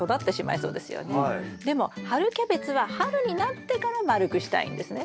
でも春キャベツは春になってから丸くしたいんですね